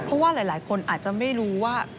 เพราะว่าหลายคนอาจจะไม่รู้ว่า